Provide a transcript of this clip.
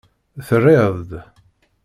Terriḍ-d.